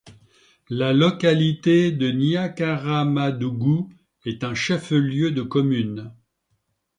La localité de Niakaramadougou est un chef-lieu de commune.